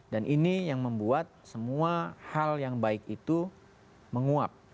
dan ini yang membuat semua hal yang baik itu menguap